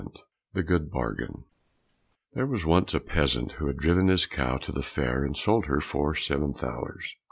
7 The Good Bargain There was once a peasant who had driven his cow to the fair, and sold her for seven thalers.